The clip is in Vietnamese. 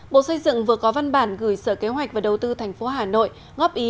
bộ xây dựng vừa có văn bản gửi sở kế hoạch và đầu tư tp hà nội góp ý